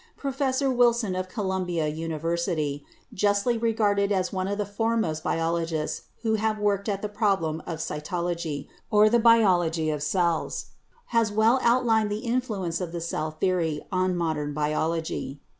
Professor Wilson of Columbia University, justly regarded as one of the foremost biologists who have worked at the prob lems of cytology, or the biology of cells, has well outlined the influence of the cell theory on modern biology.